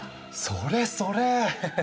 それそれ。